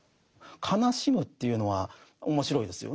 悲しむというのは面白いですよね。